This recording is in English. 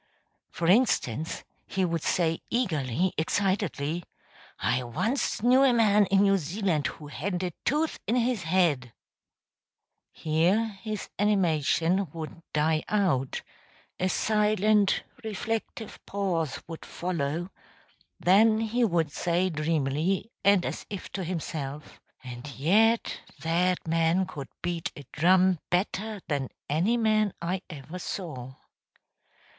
For instance, he would say eagerly, excitedly, "I once knew a man in New Zealand who hadn't a tooth in his head" here his animation would die out; a silent, reflective pause would follow, then he would say dreamily, and as if to himself, "and yet that man could beat a drum better than any man I ever saw."